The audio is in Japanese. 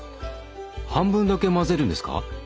半分だけ混ぜるんですか？